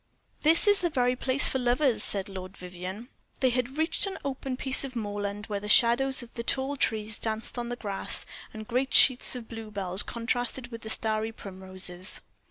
"This is the very place for lovers," said Lord Vivianne. They had reached an open piece of moorland, where the shadows of the tall trees danced on the grass, and great sheets of bluebells contrasted with starry primroses.